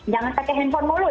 jangan pakai handphone mulu